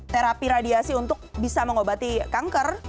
terapi radiasi untuk bisa mengobati kanker